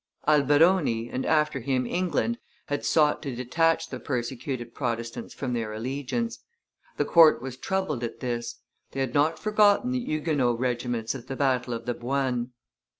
Alberoni, and after him England, had sought to detach the persecuted Protestants from their allegiance; the court was troubled at this; they had not forgotten the Huguenot regiments at the battle of the Boyne.